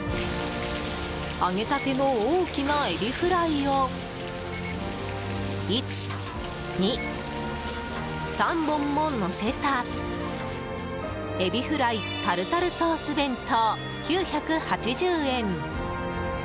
揚げたての大きなエビフライを１、２、３本ものせたエビフライタルタルソース弁当９８０円。